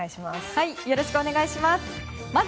よろしくお願いします。